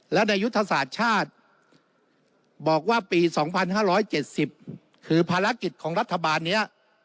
และในยุทธศาสตร์ชาติบอกว่าปี๒๕๗๐คือภารกิจของรัฐบาลนี้